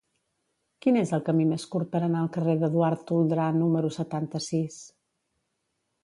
Quin és el camí més curt per anar al carrer d'Eduard Toldrà número setanta-sis?